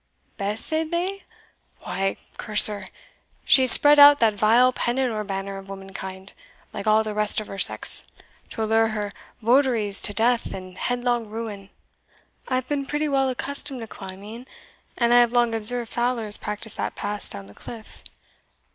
Bess, said they? Why, curse her, she has spread out that vile pennon or banner of womankind, like all the rest of her sex, to allure her votaries to death and headlong ruin." "I have been pretty well accustomed to climbing, and I have long observed fowlers practise that pass down the cliff."